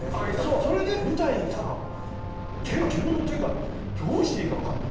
それで舞台に立ったら手が自分の手がどうしていいかわかんない。